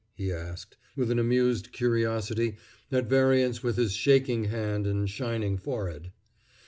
he asked, with an amused curiosity at variance with his shaking hand and shining forehead.